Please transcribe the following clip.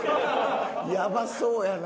やばそうやな。